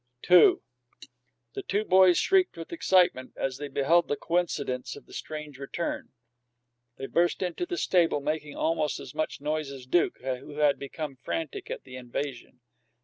II The two boys shrieked with excitement as they beheld the coincidence of this strange return. They burst into the stable, making almost as much noise as Duke, who had become frantic at the invasion.